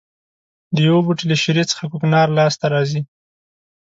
د یوه بوټي له شېرې څخه کوکنار لاس ته راځي.